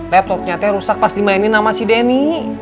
laptopnya teh rusak pas dimainin sama si denny